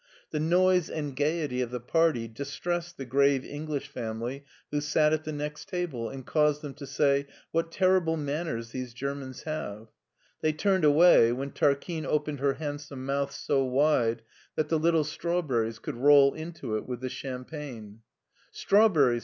The noise and gayety of the party distressed the grave English family who sat at the next table, and caused them to say, " What terri ble manners these Germans have !" They turned away when Tarquine opened her handsome mouth so wide that the little strawberries could roll into it with th^ champagne* BERLIN i2i " Strawberries !